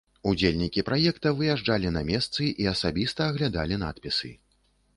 Удзельнікі праекта выязджалі на месцы і асабіста аглядалі надпісы.